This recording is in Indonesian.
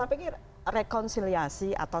saya pikir rekonsiliasi atau